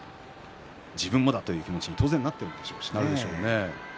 自分もという気持ちになってるでしょうね。